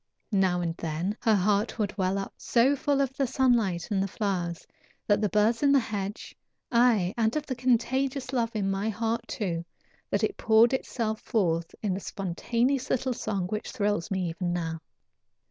Now and then her heart would well up so full of the sunlight and the flowers, and the birds in the hedge, aye, and of the contagious love in my heart, too, that it poured itself forth in a spontaneous little song which thrills me even now.